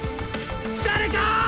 誰か！